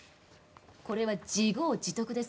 これが自業自得です。